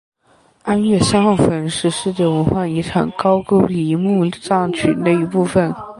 安岳三号坟是世界文化遗产高句丽墓葬群的一部份。